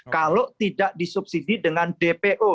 kalau tidak disubsidi dengan dpo